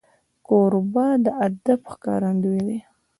کوربه د ادب ښکارندوی وي.